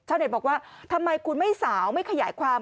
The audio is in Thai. บอกว่าทำไมคุณไม่สาวไม่ขยายความ